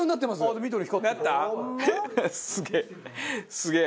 すげえ！